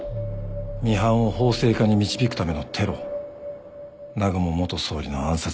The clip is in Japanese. ミハンを法制化に導くためのテロ南雲元総理の暗殺だよ。